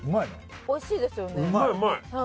おいしいですよね。